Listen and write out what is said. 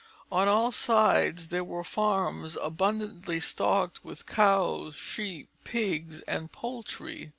On all sides there were farms abundantly stocked with cows, sheep, pigs, and poultry.